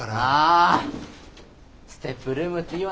ＳＴＥＰルームっていいよなあ。